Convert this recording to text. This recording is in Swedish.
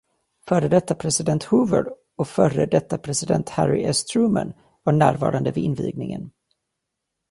Förre detta president Hoover och förre detta president Harry S. Truman var närvarande vid invigningen.